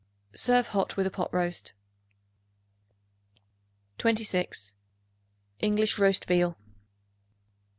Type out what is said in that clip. Serve hot with a pot roast. 26. English Roast Veal.